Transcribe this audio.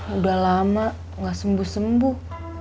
udah lama gak sembuh sembuh